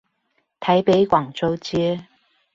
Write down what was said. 台北廣州街